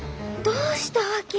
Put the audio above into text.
どうしたわけ？